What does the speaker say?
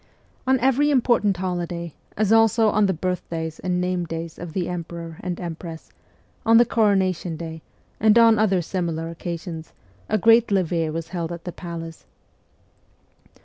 On every important holiday, as also on the birth* days and name days of the emperor and empress, on the coronation day, and on other similar occasions, a great levee was held at the palace.